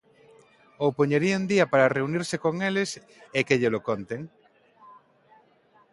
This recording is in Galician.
Ou poñería un día para reunirse con eles e que llelo conten.